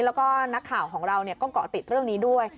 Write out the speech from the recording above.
แล้วก็นักข่าวของเราก็เกาะติดเรื่องนี้ด้วย